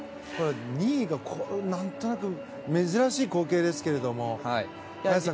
２位が何となく珍しい光景ですけども。